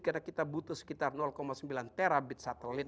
karena kita butuh sekitar sembilan terabit satelit